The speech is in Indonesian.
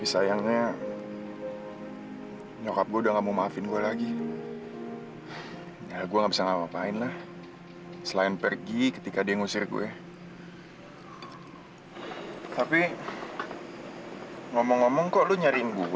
sampai jumpa di video selanjutnya